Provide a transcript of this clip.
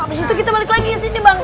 abis itu kita balik lagi kesini bang